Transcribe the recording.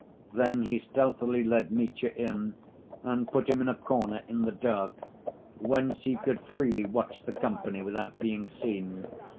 Then he stealthily led Mitya in, and put him in a corner in the dark, whence he could freely watch the company without being seen.